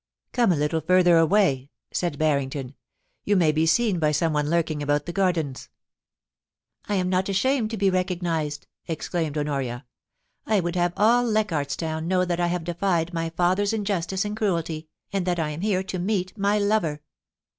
* Come a little further away,' said Barrington. * You may be seen by some one lurking about the gardens.' ' I am not ashamed to be recognised,' exclaimed Honoria. * I would have all Leichardt's Town know that I have defied my father's injustice and cruelty, and that I am here to meet my lover.